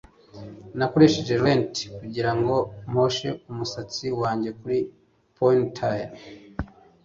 Nakoresheje lente kugirango mposhe umusatsi wanjye kuri ponytail